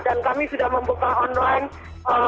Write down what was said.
dan kami sudah membuka online